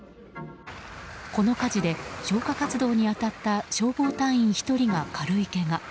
この火事で消火活動に当たった消防隊員１人が軽いけが。